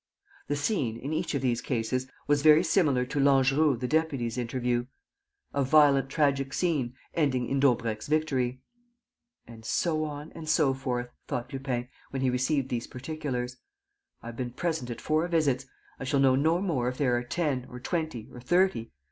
The scene, in each of these cases, was very similar to Langeroux the deputy's interview, a violent tragic scene, ending in Daubrecq's victory. "And so on and so forth," thought Lupin, when he received these particulars. "I have been present at four visits. I shall know no more if there are ten, or twenty, or thirty....